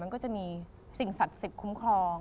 มันก็จะมีสิ่งศักดิ์สิทธิ์คุ้มครอง